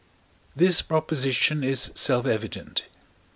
This proposition is self evident.